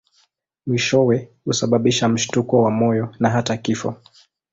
Mwishowe husababisha mshtuko wa moyo na hata kifo.